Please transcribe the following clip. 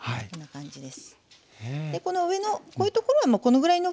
こんな感じです。